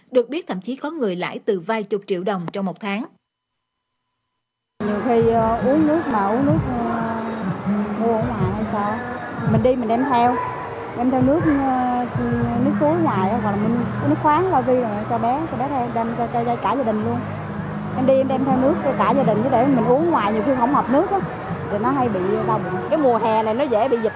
được biết thậm chí có người lãi từ vài chục triệu đồng trong một tháng